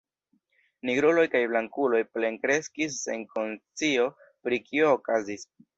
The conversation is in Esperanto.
Nigruloj kaj blankuloj plenkreskis sen konscio pri kio okazis.